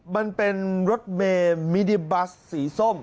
มันเป็นรถเมมินิบัสสีส้ม